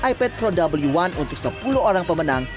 ipad pro w satu untuk sepuluh orang pemenang